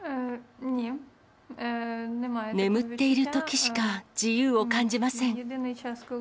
眠っているときしか自由を感じません。